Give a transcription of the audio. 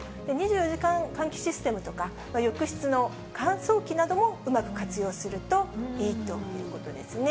２４時間換気システムとか、浴室の乾燥機などもうまく活用するといいということですね。